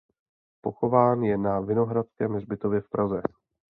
Pochován je na Vinohradském hřbitově v Praze.